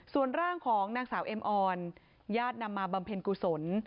ส่วนร่างของนางสาวเอ็มออนญาตินำมาบำเพ็ญกุศล